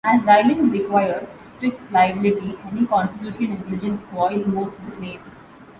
As "Rylands" requires strict liability, any contributory negligence voids most of the claim.